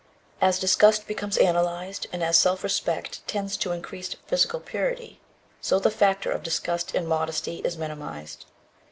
As disgust becomes analyzed, and as self respect tends to increased physical purity, so the factor of disgust in modesty is minimized.